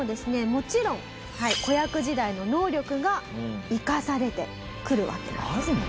もちろん子役時代の能力が生かされてくるわけなんです。